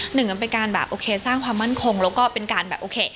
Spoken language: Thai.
หนึ่งก็เป็นการสร้างความมั่นคงแล้วก็เป็นการโอเค